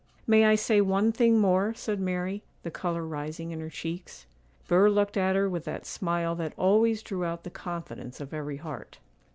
'May I say one thing more?' said Mary, the colour rising in her cheeks. Burr looked at her with that smile that always drew out the confidence of every heart.